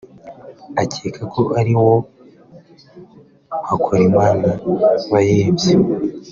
akeka ko ari uwo Hakorimana wayibye